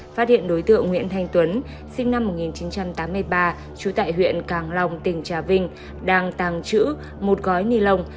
phát hiện đối tượng nguyễn thanh tuấn sinh năm một nghìn chín trăm tám mươi ba trú tại huyện càng long tỉnh trà vinh đang tàng trữ một gói ni lông